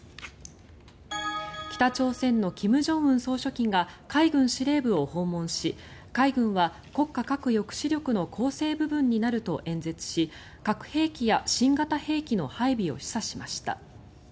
北朝鮮の金正恩総書記が海軍司令部を訪問し海軍は国家核抑止力の構成部分になると演説し核兵器や新型兵器の配備を示唆しました。